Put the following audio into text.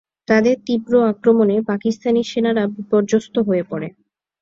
তাঁদের তীব্র আক্রমণে পাকিস্তানি সেনারা বিপর্যস্ত হয়ে পড়ে।